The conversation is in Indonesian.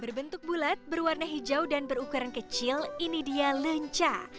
berbentuk bulat berwarna hijau dan berukuran kecil ini dia lenca